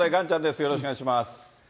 よろしくお願いします。